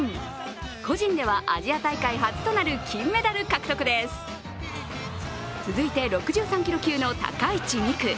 個人ではアジア大会初となる金メダル獲得です続いて、６３キロ級の高市未来。